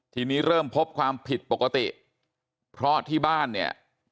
ทีนี้เริ่มพบความผิดปกติเพราะที่บ้านเนี่ย